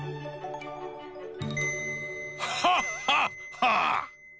ハッハッハッ！